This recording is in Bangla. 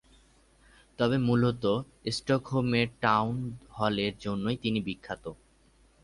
তবে মূলত স্টকহোমের টাউন হলের জন্যই তিনি বিখ্যাত।